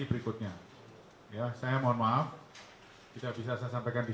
terus yang dua itu masih dikejar atau sudah kembali